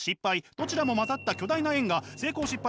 どちらも混ざった巨大な円が成功失敗